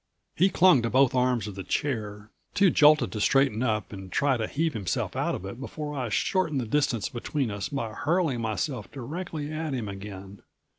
He clung to both arms of the chair, too jolted to straighten up and try to heave himself out of it before I shortened the distance between us by hurling myself directly at him again.